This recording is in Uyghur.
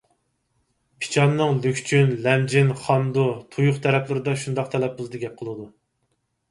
پىچاننىڭ لۈكچۈن، لەمجىن، خاندۇ، تۇيۇق تەرەپلىرىدە شۇنداق تەلەپپۇزدا گەپ قىلىدۇ.